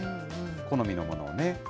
好みのものをね。